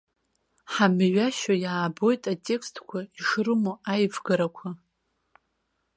Ҳамҩашьо иаабоит атекстқәа ишрымоу аивгарақәа.